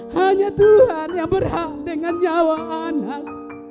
hanya tuhan yang berhak dengan nyawa anak